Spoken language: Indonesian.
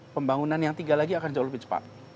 pembangunan yang tiga lagi akan jauh lebih cepat